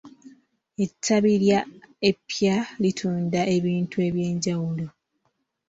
Ettabi lya epya litunda ebintu ebyenjawulo.